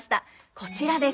こちらです。